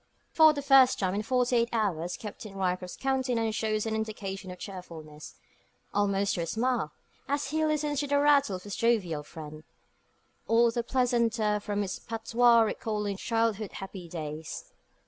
For the first time in forty eight hours Captain Ryecroft's countenance shows an indication of cheerfulness almost to a smile, as he listens to the rattle of his jovial friend, all the pleasanter from its patois recalling childhood's happy days.